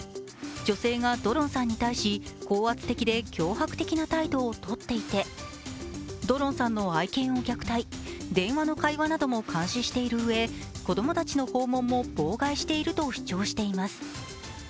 女性がドロンさんに対し高圧的で脅迫的な態度をとっていてドロンさんの愛犬を虐待電話の会話なども監視しているうえ子供たちの訪問を妨害していると主張しています。